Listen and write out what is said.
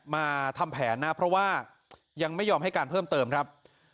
มาทำแผนนะเพราะว่ายังไม่ยอมให้การเพิ่มเติมครับ